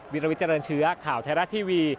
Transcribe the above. วิทยาลัยวิทยาลัยเชื้อข่าวไทยรัฐทีวี